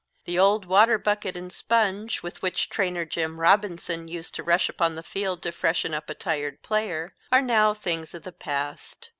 The old water bucket and sponge, with which Trainer Jim Robinson used to rush upon the field to freshen up a tired player, are now things of the past.